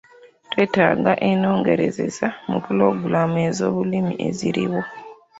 Twetaaga ennongoosereza mu pulogulaamu z'ebyobulimi eziriwo.